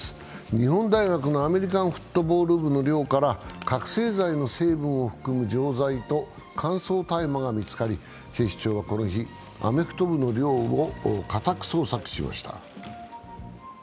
日本大学のアメリカンフットボール部の寮から覚醒剤の成分を含む錠剤と乾燥大麻が見つかり警視庁はこの日、アメフト部の寮を家宅捜索しました。